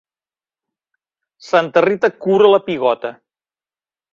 Santa Rita cura la pigota.